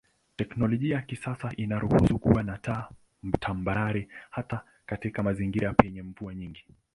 Teknolojia ya kisasa inaruhusu kuwa na taa tambarare hata katika mazingira penye mvua nyingi.